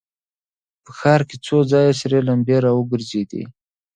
په ښار کې څو ځایه سرې لمبې را وګرځېدې.